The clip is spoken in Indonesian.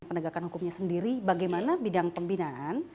penegakan hukumnya sendiri bagaimana bidang pembinaan